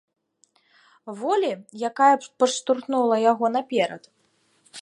Волі, якая б падштурхнула яго наперад?